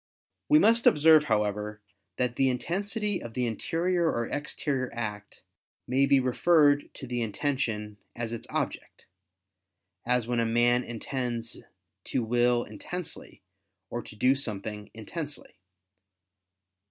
We must observe, however, that the intensity of the interior or exterior act, may be referred to the intention as its object: as when a man intends to will intensely, or to do something intensely.